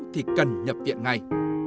thì cần nhập viện ngay